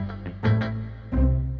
aku mau kemana